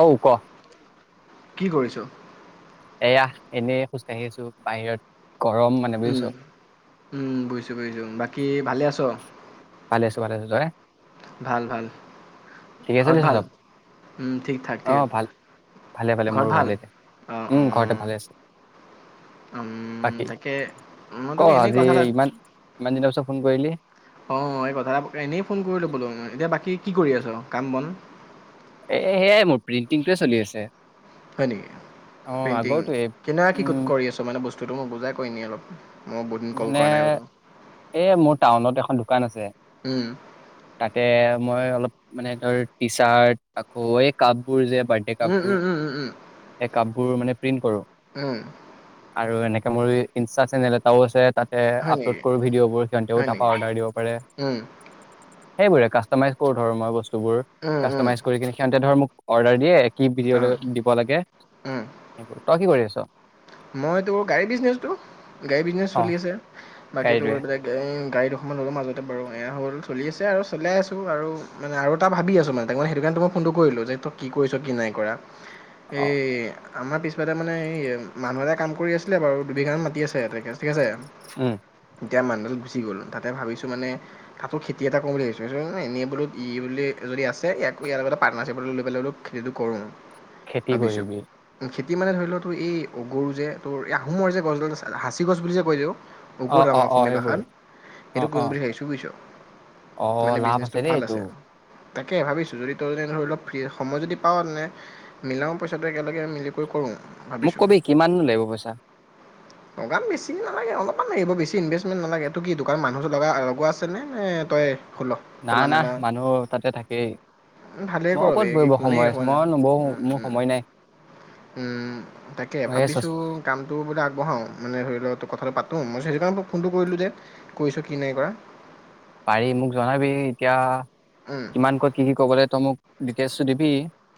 অঔ, ক। কি কৰিছো? এয়া এনেই খোজ কঢ়ি আছো বাহিৰত। গৰম মানে বুজিছ উম-উম বুজিছো বুজিছো। বাকী ভালে আছ? ভালে আছো। ভালে আছো। তই। ভাল-ভাল ঠিকে ঘৰত চলিছে ভাল? চব উম। ঠিক থঠাক অ ভাল ভালে ভালে ঠিক ঘৰত মোৰো ভাল? ভালে দে অ', উম ঘৰতে অ' ভালে আছে বাকী উম। তাকে মই ক তোক এনেই আজি কথা এাত ইমান ইমান দিনৰ পিছত ফোন কলি অ' এই কথা এটা এনেই ফোন কৰিলো বোলো। এতিয়া বাকী। কি-কি কৰি আছ? কাম বন? এই সেয়াই মোৰ প্ৰিণ্টিংটোৱে চলি আছে। হয় নেকি? অ আগৰটোৱে উম [unintelligible] সুটো মই বুজাই কৰিম নি অলপ। মই বহুত দিন কল মানে, কৰা নাই বোলো। এই মোৰ টাউনত এখন দোকান আছে। উম, তাতে। মই অলপ মানে ধৰ টি চাৰ্ট, আকৌ এই কাপ বোৰ যে। বাৰ্থডে কাপ উম, বোৰ। উম, উম, উম, উম, এই কাপ বোৰ মানে। প্ৰিণ্ট কৰঁ উম। আৰু এনেকে মোৰ ইনষ্টা চেনেলত। তও আছে তাত। হয় আপলোড নেকি? কৰো ভিডিঅ'বোৰ। সিহঁতেও হয় নেকি? তাৰপৰা অৰ্ডাৰ দিব পাৰে। উম, সেইবৰে কাষ্টমাইজ কৰো ধৰ মই বস্তু। বসু উম, কা উম, কৰিনে সিহঁতে ধৰ ম অৰ্ডাৰ দিয়ে। কি অঁ, দিব লাগে? উম। সেইবোৰ তই কি কৰি আছ? মই তোৰ গাড়ী বিজনেচটো। গাড়ী বিজনেছ অ চলি আছে। বাকীতো গাড়ীটোৱে বাক গ গাড়ী দুখনমান হ'লঁ মাজতে বাৰু এয়া হ'ল চলি আছে আৰু চাই আছোঁ আৰু মানে আৰু এটা ভাবি আছোঁ মানে। তাক মে সেইটো কাৰণে মই ফোনটো কৰিলোঁ যে তই কি কৰিছ কি নাই কৰা। অ এই আমাৰ পিছফাল মানে এই মানুহ এটা কাম কৰি আছিলে বাৰু দুবিঘান মাতি আছে তাতে ঠিক আছে উম এতিয়া মানুহ গুচি গ'ল তাতে ভাবিছোঁ মানে তাতো খেতি এটা কৰো বুলি ভাবিছোঁ ন এনেই বোলো ই বুলি যদি আছে ইয়াক ইয়াৰ লগতে পাৰ্টনাৰশ্বিপ লৈ পেলাই বোলো খেতিটো কৰোঁ খেতি কৰিবি কি মানে ধৰি লওতো এই অ গৰু যে তো এই আহোমৰ যে গছডাল সাঁচি গছ বুলি যে কয় যেও অ অ আমাৰ অ অসমীয়া সেইবোৰ ভাষাত অ সেইটো কৰিম অ বুলি ভাবিছোঁ বুয়িছ অ মানে লাভ বিজনেচটো দেই ভাল এইটো আছে তাকে ভাবিছোঁ যদি তই যনে ধৰি অলপ ফ্ৰী সময় যদি পাৱওঁ তেনে মিলাওঁ পইচাটো একেলগে মিলি কৰিব পাৰোঁ ভাবিছোঁ কিমান নো লাগিব পইচা লগাম বেছি নেলাগে অলপমান লাগিব বেছি ইনভেষ্টমেণ্ট নালাগে এইটো কি কাৰণ মানুহ লগ লগোৱা আছে ন নে তই খোল না খোলা না মেলা মানুহ তাতে থাকেই ভালেই মই কৰ বে ক'ত বহিব কোনেই সময় আছে হোৱা মই নবহো মোৰ নাই। সময় নাই মই এই ভাবিছো কামটো বোলে আগবঢ়াও মানে ধৰি লওক কথা ভাল পাতোঁ মই সেই কাৰণে ফোনটো কৰিলোঁ যে কৰিছোঁ কি নাই কৰা পাৰি মোক জনাবি এতিয়া উম, কিমান কৈ কি কি ক'বলে তই মোক ডিটেইলচ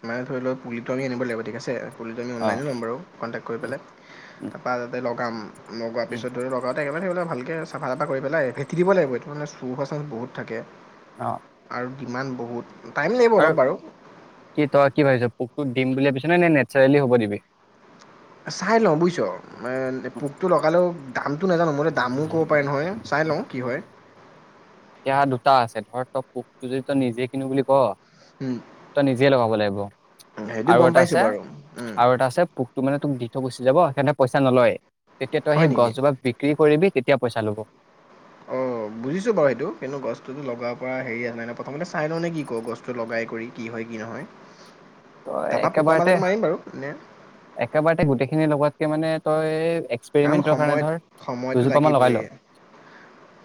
মানে ধৰি লওক পুলিটো আমি ঠিক আছে পুলি টো আমি অ অনলাইনে লম বাৰু কনটেকত কৰি উম উম পেলাই কাম লগাৰ উম পিছতো লগাওঁতে একে লগতে থাকিব লাগিব ভালকে তাকে চাফা এটা কৰি পেলাই ভেটি দিব লাগিব এইটো মানে চুৰ পাৰচন বহুত থাকে অ কিমান বহুত টাইম লাগিব আৰু অলপ বাৰু কি তই কি ভাবিছ পোকটো দিম বুলি ভাবিছ নে নে নেচাৰেলি হ'ব দিবি চাই লওঁ বুজিছ মানে পোকটো লগালে ও দামটো নেজানো মই দামো ক'ব পাৰি নহয় চাই লওঁ কি হয় এতিয়া দুটা আছে ধৰ তই পোকটো যদি তই নিজে কিনো বুলি কৱ উম, তই নিজে লগাব লাগিব সেইটো আৰু গম এটা পাইছোঁ আছে বাৰু উম, আৰু এটা আছে পোকটো মানে তোক গুচি যাব সেইকাৰণে পইচা নলয় তেতিয়া তই হয় সেই নেকি গছজোপা বিক্ৰী কৰিবি তেতিয়া তেতিয়া পইচা ল'ব। অ' বুজিছো বাৰু এইটো কিন্তু গছটোতো লগাব পৰা হেৰি আ নাই ন। প্ৰথমতে চাই ল নে কি ক গছটো লগাই কৰি কি হয় কি নহয়? ত তাৰপৰা পোকৰ একেবাৰতে মাজাটো মাৰিম বাৰু নে একেবাৰতে গোটেইখিনি লগোৱা ত ত মানে তই কাৰণ এক্সপেৰিমেন্টৰ কাৰণে ধৰ সময়ত সময়তটো দুজোপা মান লগাই ল লাগিবয়ে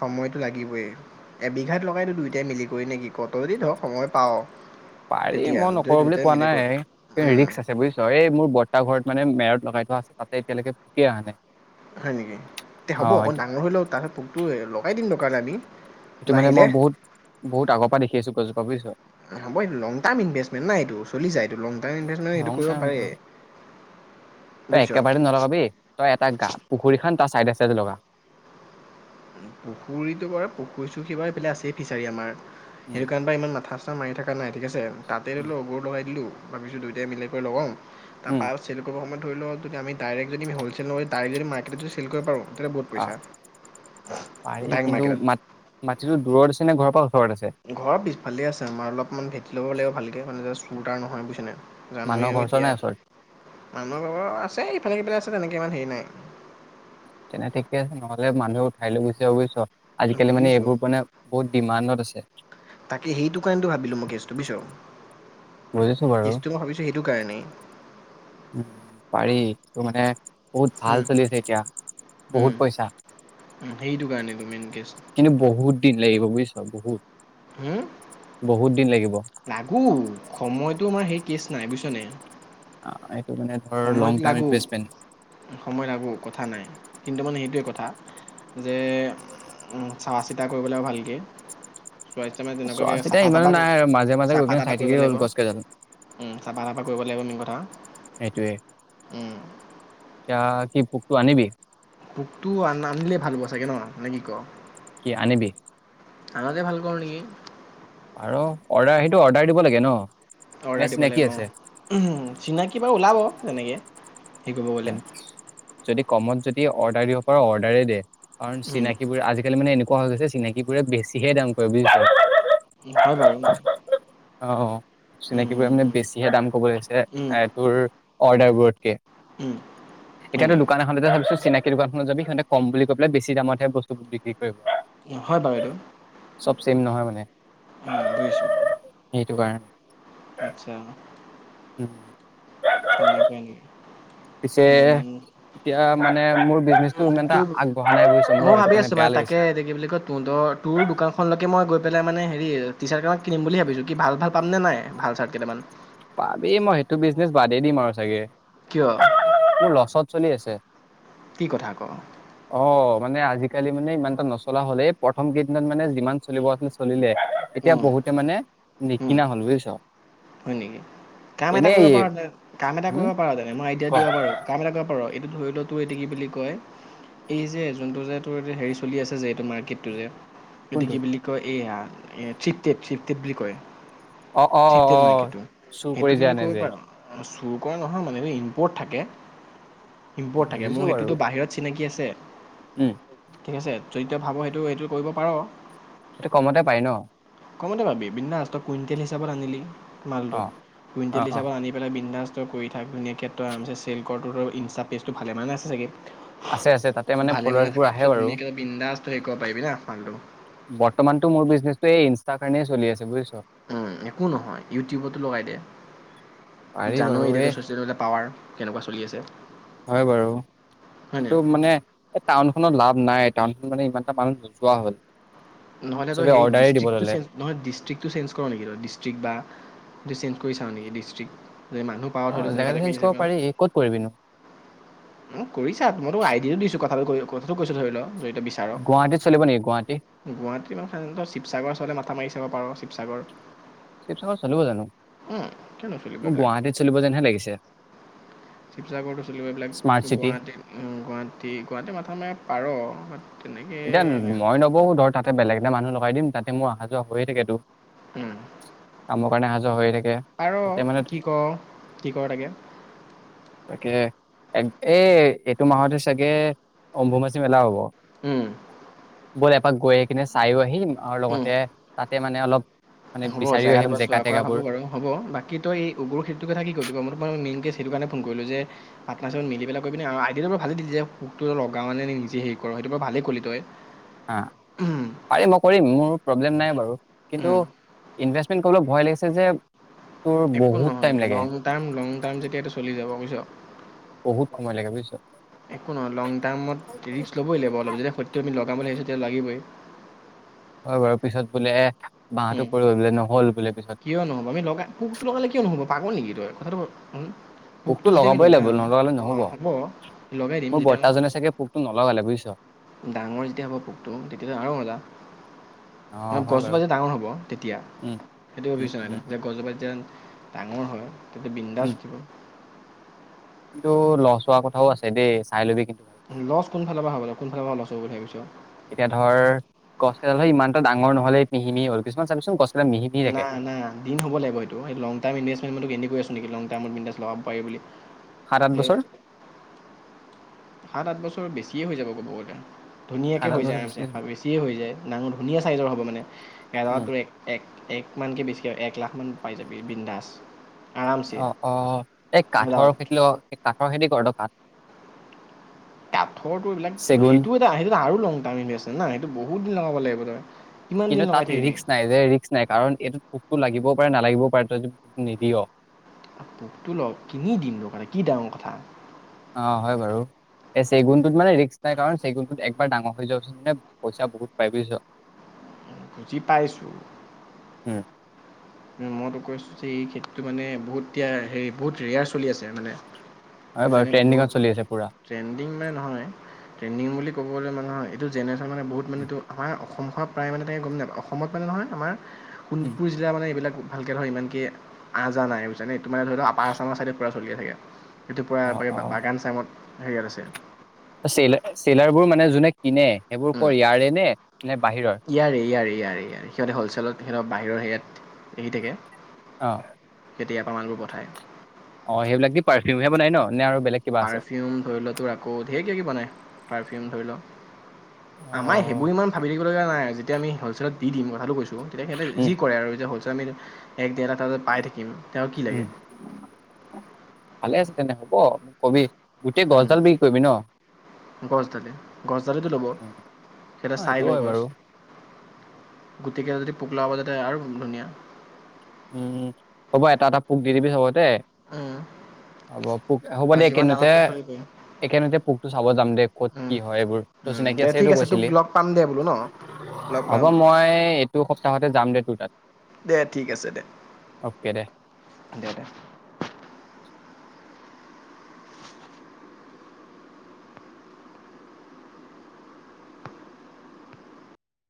সময়তটো লাগিবইে এবিঘাত লগ এইটো দুয়োটাই মিলি কৰি নে তই ক'। তই যদি ধৰ সময় পাৱ। পাৰি তেতিয়া মই যদি নকৰো বুলি দুয়োটাই কোৱা মিলি নাই। কৰি কিন্তু উম, ৰিস্ক আছে বুজিছ এই মোৰ বৰ্তা ঘৰত মানে মেৰত লগাই থ আছে তাতে এতিয়ালৈকে পোকে অহা নাই। হয় নেকি এ অ হ'ব অকণ এইটো ডাঙৰ হৈলেও তাত পোকটো লগাই দিম দাৰ কাল আনি। সেইটো মানে মই বহুত বহুত আগৰ পৰা দেখি আছোঁ। ভৱিষ্যত হ'ব এইটো লং টাৰ্ম ইনভেষ্টমেণ্ট নাই এইটো চলি যায়। এইটো লং টাৰ্ম ইনভেষ্টমেণ্ট সেইটো লংগ কৰিব পাৰে টাৰ্ম তই বুজিছ একেবাৰে দ নলগবি তই এটা গা পুখুৰী খান্দ তাৰ চাইদে [unintelligible] লগা। পুখুৰীটো বাৰু পুখুৰী চুখী বাৰ এইফালে আছেই ফিচাৰী আমাৰ। উম সেইটো কাৰণ বা ইমান মাথা আ মাৰি থাকা নাই। ঠিক আছে তাতে উম ধৰিলও অ', গৰুৰ লগাই দিলোঁ। ভাবিছোঁ দুয়োটাই মিলাক কৰি লগাওঁ। উম তাৰপা আৰু চেল কৰিব সময়ত ধ লওঁ যদি আমি ডাইৰেক্ যদি হ'লছেল নহৈ যদি তাৰে যদি মাৰ্কৈট চেল কৰি পোৰো। তাতে বহুত অ পইচা। পাৰি ডাইৰেক্ট কিন্তু মাৰ্কেটত ম মাটিতো দূৰত আছে নে ঘৰৰ পৰা ওচৰত আছে ঘৰৰ পিছফালে আছে আমাৰ অলপমান ভেটি ল'ব লাগিব। ভালকৈ মানে যে [unintelligible] মানুহৰ জানোৱও ঘৰ চৰ এতিয়া নাই ওচৰত মানুহ ঘৰ আছে ইফালে সিফালে তেনেকে ইমান হেৰি নাই। তেনে ঠিকে আছে নহ'লে মানুহে ঠাইলৈ গুচি যাব বুজিছ'। আজিকালি মানে বুজিছো এইবোৰ মানে বহুত ডিমাণ্ডত আছে তাকে সেইটো কাৰণ ভাবিলো মই কেচটো পিছত। বুজিছো বাৰু কেছটো মই ভাবিছো সেইটো কাৰণেই। উম পাৰি এইটো মানে বহুত উম, ভাল চলি আছে এতিয়া উম, বহুত পইচা উম, সেইটো কাৰণেতো মেইন কেছ কিন্তু বহুত দিন লাগিব। বুইছ বহুত হম বহুত দিন লাগিব লাগো সময় টো আমাৰ সেই কেছ নাই বুইিছনে। অ'। টো মানে ধৰ লং টাৰ্ম ইনভেষ্টমেণ্ট সময় লাগো কথা নাই কিন্তু মানে সেইটোৱে কথা যে চোৱা চিতা কৰিবলৈ ভালকে সাস্থ্য মানে চোৱা যেনেকাকে চিতা চাফা, ইমানো চাফা, নাই আৰু মাজে মাজে গৈ চাফা, কিনে তাফা চাই কৰিব থাকিলে লাগিব হ'ল গছ কেইডাল চাফা তাফা কৰিব লাগিব মেইন কথা। সেইটোৱে উম, ক' কি পোকটো আনিবি? তোৰ আ নানিলে ভাল পোৱা চাগে ন নে কি ক? কি আনিবি? আনাটোৱে ভাল হ'ব নেকি? আৰু অৰ্ডাৰ সেইটো অৰ্ডাৰ দিব লাগে ন? নে অৰ্ডাৰ দিব চিনাকি লাগিব আছে অ' চিনাকি বাৰু ওলাব। তেনেক। যদি কমত যদি অৰ্ডাৰ দিব পাৰ অৰ্ডাৰেই দে। কাৰণ উম, চিনাকিবোৰ আজিকালি মানে এনেকুৱা কোৱা গৈছে চিনাকি বোৰে বেছিহে দাম কৰে বুজি পাইছ। হয় বাৰু অ' অ'। চিনাকী বোৰে মানে উম, বেছিহে দাম কব লৈছে। উম, এই তোৰ অৰ্ডাৰ বোৰতকে। উম, হয় এতিয়াতো নেকি দোকান এখনতে ভাবিছো চিনাকি দোকানখনত যাবি সিহঁতে কম বুলি কৈ পালে বেছি দামতহে বস্তু বিক্ৰী কৰিব। হয় বাৰু এইটো। চব চেম নহয় মানে। উম বুইছো। সেইটো কাৰণে। আচ্ছা। উম। তেনেকুৱাই নেকি? পিছে, উম। এতিয়া মানে মোৰ বিজনেচটো ইমান এটা তোৰ আগবঢ়া নাই বুজিছা, মোৰ মই এইটো ভাবি কাৰণে আছোঁ বেয়া মানে তাকে এতিয়া কি বুলি লাগিছে। পেলায় মানে হেৰি টি-চাৰ্ট কেইটামান কিনম বুলি ভাবিছোঁ। কি ভাল, ভাল পামনে নাই ভাল চাৰ্টকেইটামান? পাবি, মই সেইটো বিজনেচ বাদেই দিম আৰু চাগে। কিয় মোৰ লচত চলি আছে। কি কথা ক? অ' মানে আজি কালি মানে ইমানটা নচলা হ'লেই, প্ৰথম কেইদিনত মানে যিমান চলিব আছিল, চলিলে। এতিয়া উম, বহুতে মানে উম, নিকিনা হ'ল বুজিছ। হয় নেকি? কাম এটা এই, হো ডিয়া দিব পাৰোঁ। কাম এটা কৰিব পাৰোঁ। এইটো ধৰি ল তোৰ, এইটো কি বুলি কয়! এই যে, যোনটো যে, তোৰ হেৰি চলি আছে যে, এইটো মাৰ্কেটটো যে এইটো কোনটো কি বুলি কয়, এইয়া এ শ্বিফটেড, শ্বিফটেড বুলি কয়। অ', অ', অ', চেপ্টেড অ', মাৰ্কেটটো চুৰ কৰি যে আনে যে। চোৰ কৰা নহয় মানে দেই, ইম্পৰ্ট থাকে। ইম্পৰ্ট থাকে। বুজিছো মোৰ বাৰু সেইটোতো বাহিৰত চিনাকি আছে [unintelligible] উম। ঠিক আছে যদি তই ভাব সেইটো এইটো কৰিব পাৰ। সেইটো কমতে পাই ন? কমতে পাবি বিন্দাছ তই কুইণ্টেল হিচাপত আনিলি মালটো অ অ কুইণ্টেল অ হিচাপত আনি পেলাই বিন্ডাজ তই কৰি থাক ধুনীয়াকে তই আৰামছে চেল কৰ তোৰটো আৰু ইনষ্টা পেজটো ভালেমানে আছে চাগে! আছে আছে তাতে মানে ফলাৰছবোৰ আহে বাৰু। খালি ক পাৰিবি নে কামটো? বৰ্তমানতো মোৰ বিজনেছটো এই ইনষ্টাৰ কাৰণে চলি আছে বুইছ? উম একো নহয় ইউটিউবতো লগাই দে। পাৰি বাৰু জানই এই এতিয়া ছচিয়েল মিডিয়াৰ পাৱাৰ কেনেকুৱা চলি আছে। হয় বাৰু হয়নে কিন্তু মানে এই টাউনখনত লাভ নাই ন'। মানে ইমানটা মানুহ নোযোৱা হ'ল। নহ'লে তই চবে সেই অৰ্ডাৰেই দিব ডিষ্ট্ৰিক্টো ললে নহয় ডিষ্ট্ৰিক্টো চেঞ্জ কৰ নেকি তই ডিষ্ট্ৰিক্ট বা চেঞ্জ কৰি চাওঁ নেকি ডিষ্ট্ৰিক্ট -? অ' জেগাটো চেঞ্জ কৰিব পাৰি ক'ত কৰিবিনো? মোক কৰিছা মই তোক আইডিয়াটো দিছো কথাটো কথাটো কৈছো ধৰি ল। যদি তই বিচাৰ, গুৱাহাটীত চলিব নেকি গুৱাহাটী গুৱাহাটীৰ বা সেনেকোৱা শিৱসাগৰৰ চাইডে মাথা মাৰ। মাথা মাৰি চাব পাৰোঁ শিৱসাগৰ শিৱসাগৰত চলিব জানো, কিয় নচলিব মোক এইবিলাক গুৱাহাটীত চলিব যেনহে লাগিছে। শিৱসাগৰটো চলিব এইবিলাক স্মাৰ্ট চিটি গুৱাহাটী, গুৱাহাটী, গুৱাহাটী মাথা মাৰিব পাৰ। [unintelligible] এতিয়া মই নবহোঁ ধৰ তাতে বেলেগ এটা মানুহ লগাই দিম তা মোৰ অহা যোৱা হৈয়ে থাকে তো। কামৰ কাৰণে অহা যোৱা হৈয়ে থাকে, পাৰ তাতে মানে কি ক কি কৰ তাকে এ এইটো মাহতে চাগে অম্বুবাচী মেলা হ'ব। উম বল এপাক গৈ আহ কিনে চায়ো আহিম আৰু লগতে তাত তা মানে অলপ মানে হ'ব বিচাৰিও জেগাটো আহিম বা চোৱা জেগা কৰা হব তেগাবোৰ বাৰু হ'ব বাকী তো এই উগুৰ খেৰ কথা কি কিব মোৰ মেইন সেইটো কাৰণে ফোন কৰিলো যে পাটনাৰ চিপত মিলি পেলাই কৰিবি নে আইডিয়াটো ব ভালেইিল যেুকটো লগা মানে নিজে হেৰি কৰ সেইটো বাৰ ভালেই কলি তই হ পাৰিম মই কৰিম মোৰ প্ৰব্লেম নাই বাৰু কিন্তু উম, ইনভেষ্টমেন্ট কৰিবলৈ ভয় লাগিছে যে তোৰ একো বহুত নহয় টাইম লাগে লং টাৰ্ম লং টাৰ্ম যেতিয়া এটো চলি যাব বুজিছ বহুত সময় লাগে বুজিছ। একো নহয় লং টাৰ্মত ৰিক্স লবই লাগিব অলপ যেতিয়া সত্য আমি লগাম বুলি ভাবিছো তেতিয়া লাগিবই। হোৱাৰ পিছত বোলে বাহটো উম, পৰি গল বোলে নহ'ল বোলে পিছত কিয় নহব আমি লগা পোকটো লগালে কিয় নহ'ব পাগল নেকি তই কথাটো পোকটো যেতিয়া আমি লগাবই লাগিব লগাম নলগালে অ নহ'ব হ'ব লগাই দিম মোৰ যেতিয়া ক বৰ্তাজনে চাগে পোকটো নলগালে বুজিছ। ডাঙৰ যেতিয়া হ'ব পোকটো তেতিয়া আৰু মজা অ হয় গছজোপা বাৰু। যে ডাঙৰ হ'ব তেতিয়া। উম, সেইটো উম, ভাবিছ নে তই উম, যে গছজোপাই যেন ডাঙৰ হয়। তোয়া বিন্দাস উম, উঠিব। কিন্তু লছ হোৱা কথাও আছে দেই চাই লবি কিন্তু। ভালকে। লছ কোনফালৰ পৰা হ'ব কোনফালৰ পৰা লছ চব ভিছঁ। এতিয়া ধৰ গছ কেইডাল ইমান টা ডাঙৰ নহলে এই পিহিনি 'ল কিছুমান চাবিচোন গছ কেইডাল মিহি মিহি থাকে। না না দিন হব লাগিব এইটো লং টাইম ইনভেষ্টমেণ্ট বুলি মই তোক এনেই কৈ আছোঁ। [unintelligible] সাত আঠ এই বছৰ। সাত আঠ বছৰ বেছিয়ে হৈ যাব কব গ'লে ধুনীয়াকে সাত আঠ হৈ যায় বছৰ বেছি হৈছে। আৰামচে বেছিয়ে হৈ যায় নাঙ ধুনীয়া চাইজৰ হ'ব মানে উম, কেৰাটো এক এক মানকে বেছি কিয় এ এক লাখমান পাই যাবি বিন্দাস। অ অ এই কাঠৰ খেতি কাঠৰ খেতি কৰ তই কাঠ কাঠৰটো এইবিলাক চেগুন সেইটো এটা সেইটো আৰু লং টাইম ন সেইটো বহুত দিন লগাব লাগিব কদায় কিন্তু তাত ৰিস্ক নাই যে, ৰিস্ক নাই কাৰণ এইটোত পোকটো লাগিব। পাৰে, নালাগিবও পাৰে তই যদি নিদিয়। পোকটো ল কিনি দিম টোৰ কাৰণে, কি ডাঙৰ কথা। অ' হয় বাৰু এই চেগুনটোত মানে ৰিস্ক নাই কাৰণ চেগুনটোত একবাৰ ডাঙৰ হৈ যাবচোন মানে পইচা বহুত পাই বুজিছ। বুজি পাইছোঁ উম। মইতো কৈছোঁ যে, এই খেতিটো মানে বহুত এতিয়া হেৰি বহুত ৰেয়াৰ চলি আছে মানে হয় বাৰু ট্ৰেণ্ডিঙত বহুত চলি আছে পুৰা। ট্ৰেণ্ডিং মানে নহয়, ট্ৰেণ্ডিং বুলি ক'বলৈ [unintelligible] এইটো যেনে [unintelligible] বহুত মানে আমাৰ অ' [unintelligible] গম নেপাও অসমত মানে নহয় আমাৰ উম। শোণিতপুৰ জিলা মানে এই এইবিলাক ভালকে নহয়, ইমানকে আহ জাহ নাই বুইছানে মানে ধৰি লোৱা আপাৰ আচামৰ চাইডে পুৰা চলিয়ে থাকে ৰাতিপুৱা অ [unintelligible] বাগান চাঙত হেৰিয়ত আছে চে চেলাৰ বোৰ মানে যোনে কিনে সেইবোৰ ক'ৰ ইয়াৰে নে, নে বাহিৰৰ? ইয়াৰে ইয়াৰে ইয়াৰে ইয়াৰে, সিহঁতে হ'লচেলত সিহঁতৰ বাহিৰৰ হেৰিয়াত দেখি থাকে অ', সিহঁতে ইয়াৰ পৰা মালবোৰ পঠায় অ' সেইবিলাক দি পাৰফিউমহে বনাই ন' নে আৰু বেলেগ কিবা আছে? পাৰফিউম ধৰি ল' তোৰ আকৌ ধেৰ কিবা-কিবি বনাই, পাৰফিউম ধৰি ল' অ। আমাৰ সেইবোৰ ইমান ভাবি থাকিব লগীয়া নাই আজি এতিয়া আমি হ'লচেলত দি দিম কথাতো কৈছো তেতিয়া সিহতে উম যি কৰে আৰু যে হ'লচে ত' আমি এক-ডেৰটা বজাত পাই থাকিম তেওঁ কি উম লাগে? ভালে আছে তেন্তে হ'ব কবি গোটেই উম, গছডাল বিক্ৰী কৰিবি ন? গছডালি গছডালিটো ল'ব সিঁহতে অ চাই সেইটোও লয় হয় গছ বাৰু গোটেই কেইটাত যদি পোক ওলাব যাতে আৰু ধুনীয়া। উম হ'ব এটা এটা পোক দি দিবি চবতে উম হ'ব পোক হ'ব আৰু দে যিমান কিনোতে ডাঙৰ পোক ধৰিবই একেলগে পোকটো চাব যাম দে ক'ত উম কি হয় এইবোৰ তোৰ উম চিনাকি দে আছেটো ঠিক আছে তোক কৈছিলি, লগ পাম দে বোলো ন লগ হ'ব পাম মই ইটো সপ্তাহতে যাম দে তোৰ তাত দে ঠিক আছে দে। অ'কে দে। দে দে। অ [inaudible]